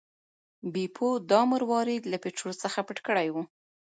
بیپو دا مروارید له پیټرو څخه پټ کړی و.